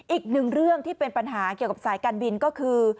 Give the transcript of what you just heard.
อีกหนึ่งเรื่องที่เป็นปัญหาเกี่ยวกับสายการบินก็คือ